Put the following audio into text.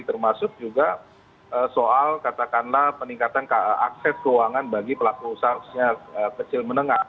termasuk juga soal katakanlah peningkatan akses keuangan bagi pelaku usaha kecil menengah